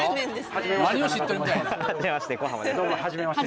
はじめまして。